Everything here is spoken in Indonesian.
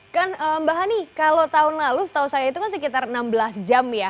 kan mbak hani kalau tahun lalu setahu saya itu kan sekitar enam belas jam ya